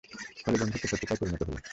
ফলে বন্ধুত্ব শত্রুতায় পরিণত হল।